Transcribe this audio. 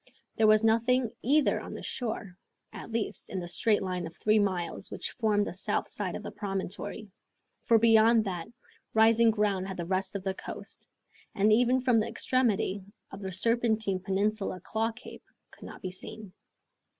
There was nothing either on the shore, at least, in the straight line of three miles which formed the south side of the promontory, for beyond that, rising ground had the rest of the coast, and even from the extremity of the Serpentine Peninsula Claw Cape could not be seen.